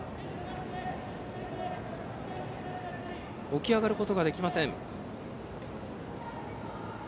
起き上がることができません。